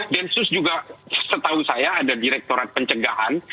densus juga setahu saya ada direktorat pencegahan